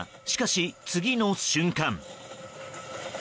しかし、次の瞬間。